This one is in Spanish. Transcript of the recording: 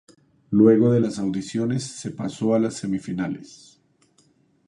Luego de las audiciones, se pasó a las semifinales.